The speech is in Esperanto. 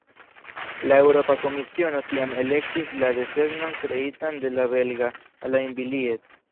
La Eŭropa Komisiono tiam elektis la desegnon kreitan de la belga Alain Billiet.